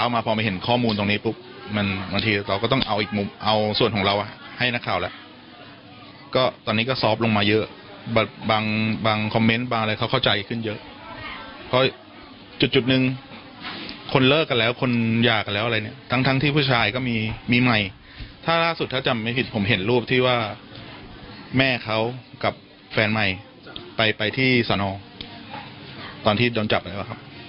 แม่เขากับแฟนใหม่ไปไปที่สนตอนที่โดนจับเลยว่าครับ